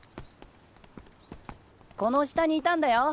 この下にいたんだよ。